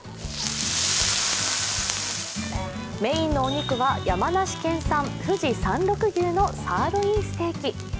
メインのお肉は山梨県産富士山麓牛のサーロインステーキ。